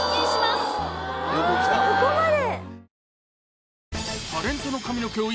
ここまで！